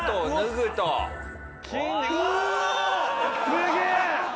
すげえ！